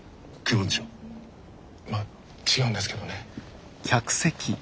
ま違うんですけどね。